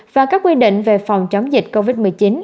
và các quy định về phòng chống dịch covid một mươi chín